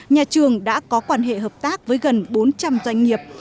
nhà trường đã có quan hệ hợp tác với gần bốn trăm linh doanh nghiệp